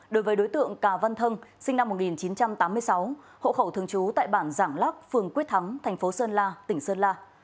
đối với đối tượng cà văn thân sinh năm một nghìn chín trăm tám mươi sáu hộ khẩu thường trú tại bản giảng lắc phường quyết thắng thành phố sơn la tỉnh sơn la